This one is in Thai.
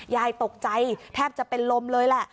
ยายตกใจแทบจะเป็นลมเลยแหละ